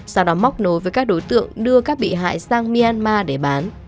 sau đó móc nối với các đối tượng đưa các bị hại sang myanmar để bán